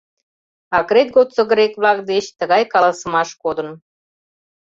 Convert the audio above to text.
Акрет годсо грек-влак деч тыгай каласымаш кодын: